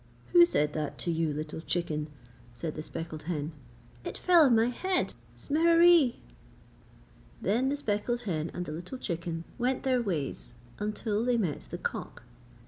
'Who said that to you, little chicken?' said the speckled hen. 'It fell on my head, Smereree!' Then the speckled hen and the little chicken went their ways until they met the cock.